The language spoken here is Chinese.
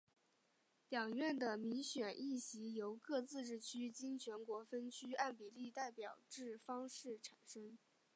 两院的民选议席由各自治区经全国分区按比例代表制方式产生。